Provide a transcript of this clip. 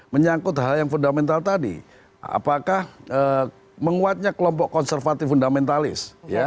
menyangkut hal yang fundamental tadi apakah menguatnya kelompok konservatif fundamentalis